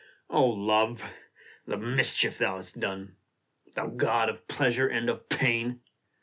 LOVE ! the mischief thou hast done ! Thou god of pleasure and of pain